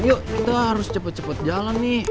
yuk kita harus cepet cepet jalan nih